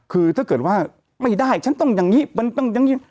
คือถ้าเกิดว่าไม่ได้ฉันต้องอย่างนี้มันต้องอย่างนี้